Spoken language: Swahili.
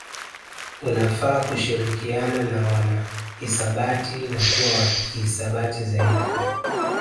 Unafaa kushirikiana na wanahisabati na kuwa wa kihisabati zaidi